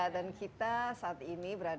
dan kita saat ini berada di